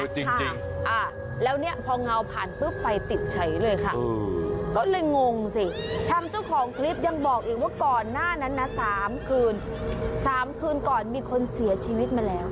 จริงแล้วเนี่ยพอเงาผ่านปุ๊บไฟติดเฉยเลยค่ะก็เลยงงสิทางเจ้าของคลิปยังบอกอีกว่าก่อนหน้านั้นนะ๓คืน๓คืนก่อนมีคนเสียชีวิตมาแล้ว